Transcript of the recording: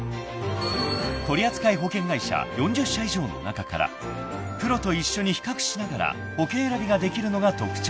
［取り扱い保険会社４０社以上の中からプロと一緒に比較しながら保険選びができるのが特徴］